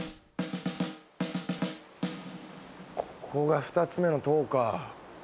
ここが２つ目の塔か。